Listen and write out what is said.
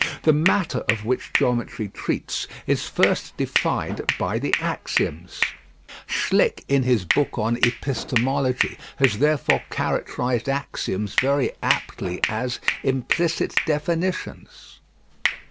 The matter of which geometry treats is first defined by the axioms. Schlick in his book on epistemology has therefore characterised axioms very aptly as "implicit definitions."